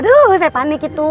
aduh saya panik itu